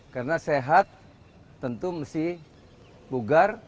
karena sehat tentu mesti bugar